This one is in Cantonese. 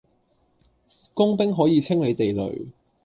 工兵可以清理地雷